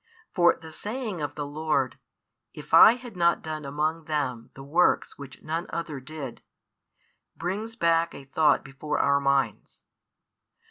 For the saying of the Lord, If I had not done among them the works which none other did, brings back a thought before our minds.